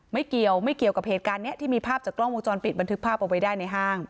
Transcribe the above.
ไม่เกี่ยวไม่เกี่ยวกับเหตุการณ์นี้ที่มีภาพจากกล้องวงจรปิดบันทึกภาพเอาไว้ได้ในห้าง